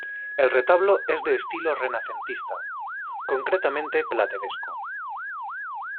El retablo es de estilo renacentista, concretamente plateresco.